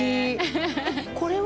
これは？